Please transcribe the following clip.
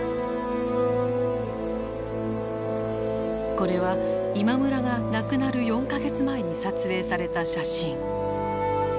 これは今村が亡くなる４か月前に撮影された写真。